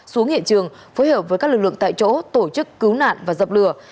xuống hiện trường phối hợp với các lực lượng tại chỗ tổ chức cứu nạn và dập lửa